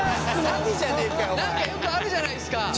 何かよくあるじゃないですか。